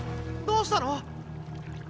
どうしたの？